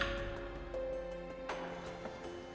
dia juga menangis